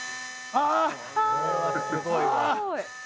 ああすごい。